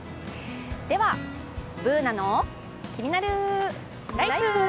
では、「ＢｏｏｎａのキニナルＬＩＦＥ」。